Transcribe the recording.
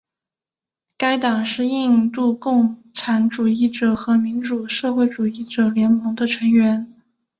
该党是印度共产主义者和民主社会主义者联盟的成员。